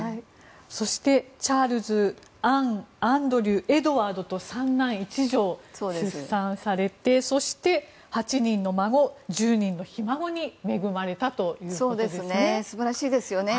そしてチャールズアン、アンドリューエドワードと３男１女を出産されてそして８人の孫１０人のひ孫に恵まれたということですね。